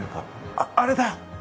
あ、あれだ！